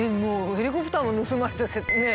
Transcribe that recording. ヘリコプターも盗まれてね。